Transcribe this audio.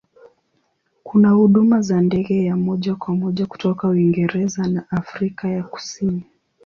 Kuna huduma za ndege ya moja kwa moja kutoka Uingereza na Afrika ya Kusini.